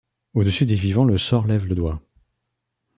Au-dessus des vivants le sort lève le doigt.